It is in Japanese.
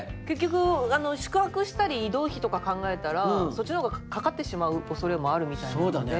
結局宿泊したり移動費とか考えたらそっちの方がかかってしまうおそれもあるみたいなので。